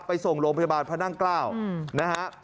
ไปส่งโรงพยาบาลพระนั่งเกล้านะฮะ